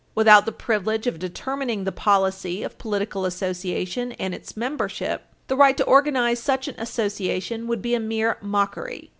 Without the privilege of determining the policy of a political association and its membership, the right to organize such an association would be a mere mockery.